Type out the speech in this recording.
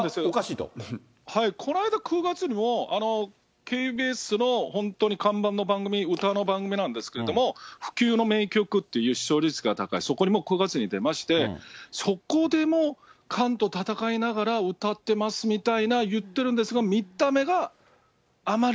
この間、９月もＫＢＳの本当に看板の番組、歌の番組なんですけれども、不朽の名曲っていう、視聴率が高い、そこに９月に出まして、そこでも、がんと闘いながら歌ってますみたいな言ってるんですが、元気？